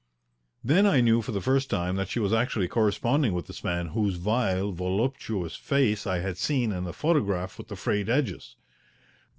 Then I knew for the first time that she was actually corresponding with this man whose vile, voluptuous face I had seen in the photograph with the frayed edges.